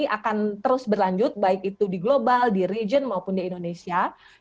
karena ekonomi akan terus berlanjut baik itu di global di region maupun di indonesia